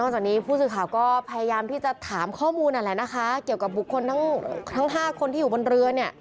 นอกจากนี้ผู้สืบข่าก็พยายามที่จะถามข้อมูลอะไรนะคะเกี่ยวกับบุคคลทั้งทั้งห้าคนที่อยู่บนเรือ